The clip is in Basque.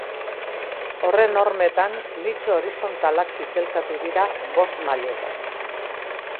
Horren hormetan, nitxo horizontalak zizelkatu dira, bost mailetan.